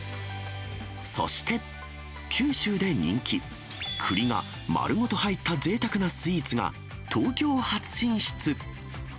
そして、九州で人気、くりが丸ごと入ったぜいたくなスイーツが東京初進出。